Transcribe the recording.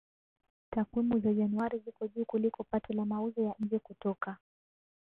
Takwimu za Januari ziko juu kuliko pato la mauzo ya nje kutoka